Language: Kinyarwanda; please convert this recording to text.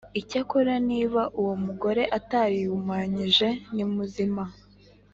Icyakora niba uwo mugore atarihumanyije ni muzima